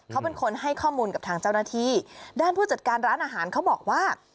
เขาเป็นคนให้ข้อมูลกับทางเจ้าหน้าที่ด้านผู้จัดการร้านอาหารเขาบอกว่า